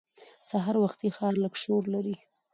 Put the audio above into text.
سهار وختي ښار لږ شور لري